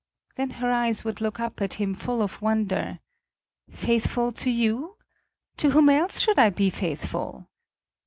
Then her eyes would look up at him full of wonder. "Faithful to you? To whom else should I be faithful?"